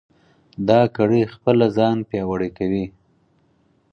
دا کړۍ خپله ځان پیاوړې کوي.